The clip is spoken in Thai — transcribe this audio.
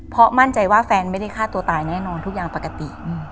เพราะมั่นใจว่าแฟนไม่ได้ฆ่าตัวตายแน่นอนทุกอย่างปกติ